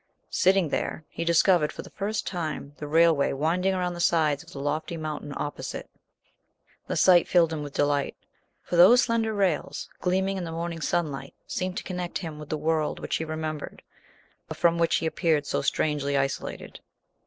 Sitting there, he discovered for the first time the railway winding around the sides of the lofty mountain opposite. The sight filled him with delight, for those slender rails, gleaming in the morning sunlight, seemed to connect him with the world which he remembered, but from which he appeared so strangely isolated.